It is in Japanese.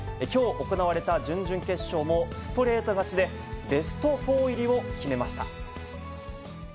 きょう行われた準々決勝も、ストレート勝ちでベスト４入りを決めました。